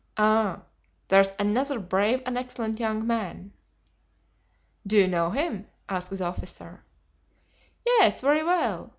Ah! there's another brave and excellent young man." "Do you know him?" asked the officer. "Yes, very well.